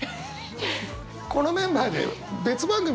このメンバーで別番組もやろう。